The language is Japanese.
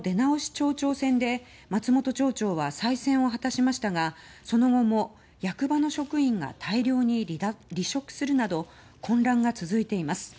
町長選で松本町長は再選を果たしましたがその後も役場の職員が大量に離職するなど混乱が続いています。